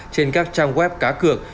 trên các trang web cá cực